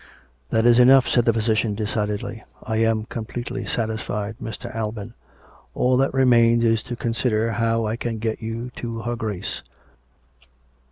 " That is enough," said the physician decidedly. " I am completely satisfied, Mr. Alban. All that remains is to consider how I can get you to her Grace."